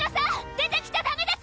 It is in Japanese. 出てきちゃダメです！